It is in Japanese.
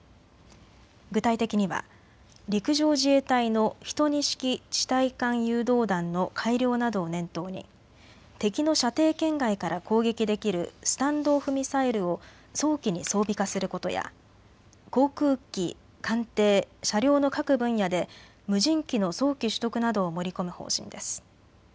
具体的には陸上自衛隊の１２式地対艦誘導弾の改良などを念頭に敵の射程圏外から攻撃できるスタンド・オフ・ミサイルを早期に装備化することや航空機、艦艇、車両の各分野で無人機の早期取得などを盛り込む方針です。